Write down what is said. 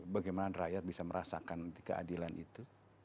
bagaimana rakyat bisa merasakan keadilan itu